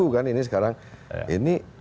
kan ini sekarang ini